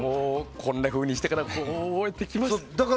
こんなふうにして大切に持ってきました。